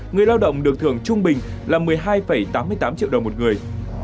người lao động được thưởng trung bình là một mươi hai tám mươi tám triệu đồng một người